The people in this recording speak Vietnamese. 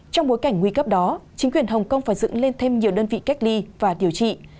trong bối cảnh nguy cấp đó chính quyền hồng kông phải dựng lên thêm nhiều đơn vị cách ly và điều trị